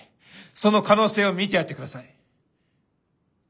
その可能性を見てやってください！